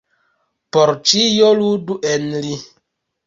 Por ĉio ludu en li.